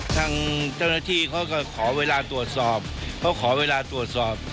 ทางเจ้าหน้าที่เขาก็ขอเวลาตรวจสอบ